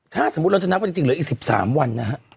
ถ้าสมมุติเราจะนับกันจริงเหลืออีก๑๓วันนะฮะ